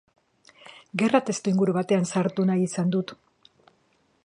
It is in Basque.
Gerra testuinguru batean sartu nahi izan dut.